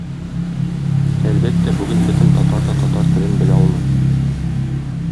Әлбәттә, бүген бөтен татар да татар телен белә алмый.